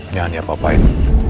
jangan dia apa apain